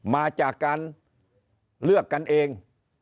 มาจากการเลือกกันเอง